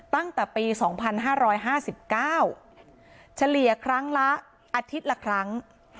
ตั้งแต่ปี๒๕๕๙เฉลี่ยครั้งละอาทิตย์ละครั้ง